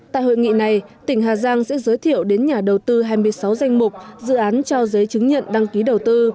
tại hội nghị này tỉnh hà giang sẽ giới thiệu đến nhà đầu tư hai mươi sáu danh mục dự án trao giấy chứng nhận đăng ký đầu tư